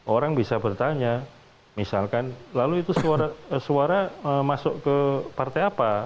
orang bisa bertanya misalkan lalu itu suara masuk ke partai apa